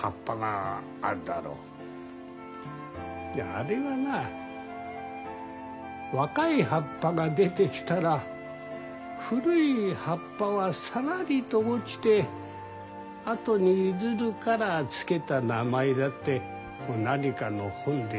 あれがな若い葉っぱが出てきたら古い葉っぱはさらりと落ちてあとに譲るから付けた名前だって何かの本で読んだよ。